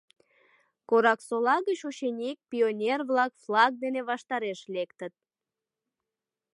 Кораксола гыч ученик, пионер-влак флаг дене ваштареш лектыт.